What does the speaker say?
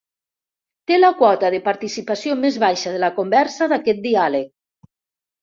Té la quota de participació més baixa de la conversa d'aquest diàleg.